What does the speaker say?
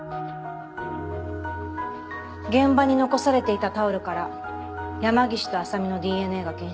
現場に残されていたタオルから山岸と浅見のＤＮＡが検出された。